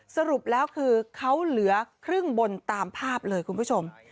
สรุปแล้วคือเขาเหลือครึ่งบนตามภาพเลยคุณผู้ชม